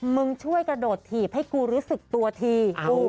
มึงช่วยกระโดดถีบให้กูรู้สึกตัวที